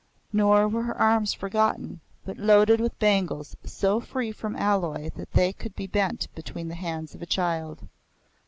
Nor were her arms forgotten, but loaded with bangles so free from alloy that they could be bent between the hands of a child.